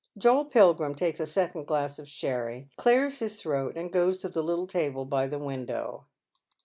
Joel Pilgrim takes a second glass of sherry, clears bis throat, and goes to the little table by the window.